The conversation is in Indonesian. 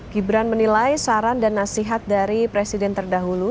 gibran menilai saran dan nasihat dari presiden terdahulu